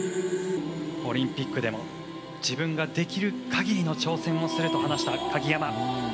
オリンピックでも自分ができる限りの挑戦をすると話した鍵山。